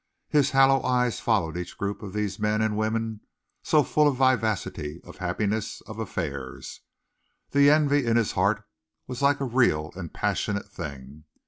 His hollow eyes followed each group of these men and women, so full of vivacity, of happiness, of affairs. The envy in his heart was like a real and passionate thing.